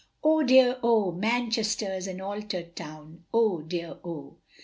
O dear O, Manchester's an altered town, O dear O.